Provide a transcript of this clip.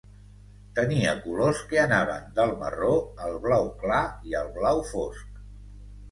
Tenia colors que anaven del marró al blau clar i al blau fosc.